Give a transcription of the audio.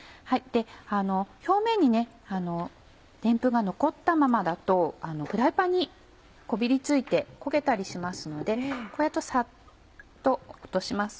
表面にデンプンが残ったままだとフライパンにこびり付いて焦げたりしますのでサッと落とします。